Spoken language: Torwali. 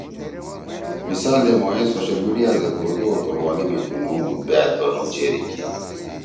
مثال دے مھوئے سوشل میڈیا زید اردو او توروالی می تُنُو بأت بنُو چیری کی۔